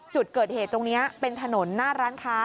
จุดเกิดเหตุตรงนี้เป็นถนนหน้าร้านค้า